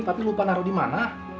tapi lupa naruh di mana